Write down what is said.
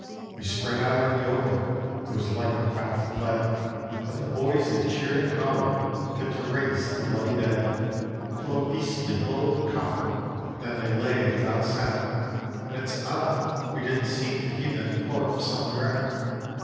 We spread out in the open: it was like a bath of lead; But the boys they cheered and hollered fit to raise the bloody dead, Till a beastly bullet copped 'em, then they lay without a sound, And it's odd we didn't seem to heed them corpses on the ground.